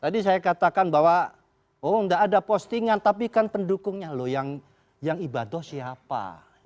tadi saya katakan bahwa oh tidak ada postingan tapi kan pendukungnya loh yang ibadah siapa